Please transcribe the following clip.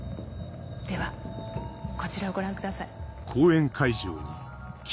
ではこちらをご覧ください。